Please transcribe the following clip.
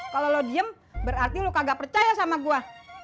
kalau lo diem berarti lo kagak percaya sama gue